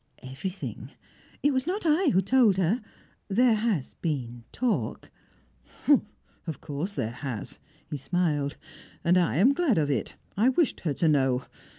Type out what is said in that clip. "Everything. It was not I who told her. There has been talk " "Of course there has" he smiled "and I am glad of it. I wished her to know.